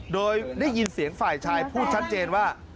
โดยได้ยินเสียงฝ่ายชายพูดชัดเจนว่า